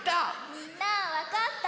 みんなわかった？